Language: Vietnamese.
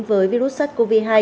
với virus sars cov hai